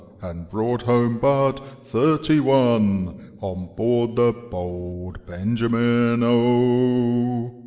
And brought home but thirty one. On board the Bold Benjamin, O.